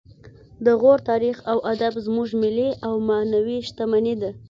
د غور تاریخ او ادب زموږ ملي او معنوي شتمني ده